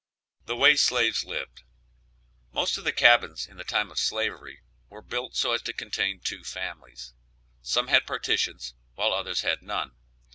THE WAY THE SLAVES LIVED. Most of the cabins in the time of slavery were built so as to contain two families; some had partitions, while others had none.